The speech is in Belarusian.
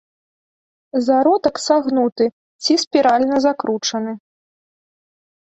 Зародак сагнуты ці спіральна закручаны.